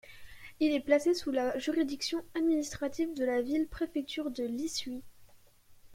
Il est placé sous la juridiction administrative de la ville-préfecture de Lishui.